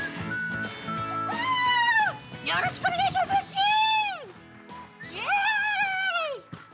よろしくお願いしますなっしー！